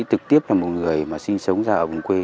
trực tiếp là một người mà sinh sống ra ở vùng quê